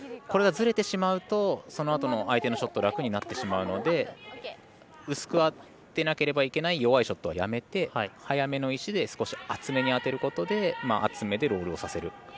これがずれてしまうとそのあとの相手のショット楽になってしまうので薄く当てなければいけない弱いショットはやめて速めの石で少し厚めに当てることで厚めでロールをさせる。